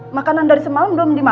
makanan dari semalam belum dimakan